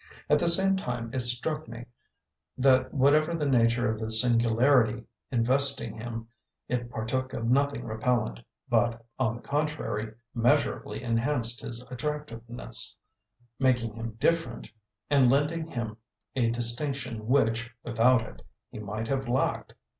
At the same time it struck me that whatever the nature of the singularity investing him it partook of nothing repellent, but, on the contrary, measurably enhanced his attractiveness; making him "different" and lending him a distinction which, without it, he might have lacked.